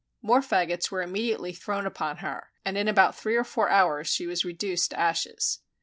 More faggots were immediately thrown upon her, and in about three or four hours she was reduced to ashes.